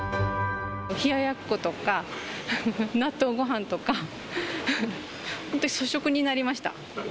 冷ややっことか、納豆ごはんとか、本当、粗食になりました。